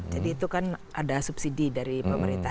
jadi itu kan ada subsidi dari pemerintah